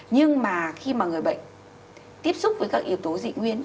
nhưng mà khi mà người bệnh tiếp xúc với các yếu tố dị nguyên